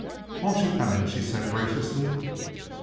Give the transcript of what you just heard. "Won't you come in?" she said graciously.